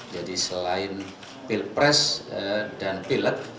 jadi selain pilprice dan pilk